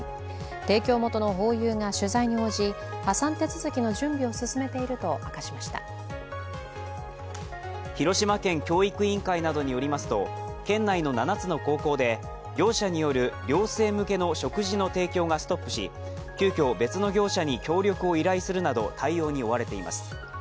提供元のホーユーが取材に応じ破産手続きの準備を進めていると明かしました広島県教育委員会などによりますと県内の７つの高校で業者による寮生向けの食事の提供がストップし、急きょ、別の業者に協力を依頼するなど、対応に追われています。